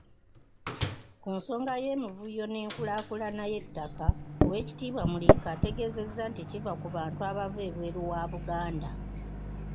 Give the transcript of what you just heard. Ku nsonga y'emivuyo n'enkaayana z'ettaka, Oweekitiibwa Muliika ategeezezza nti kiva ku bantu abava ebweru wa Buganda.